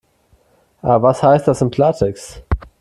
Aber was heißt das im Klartext?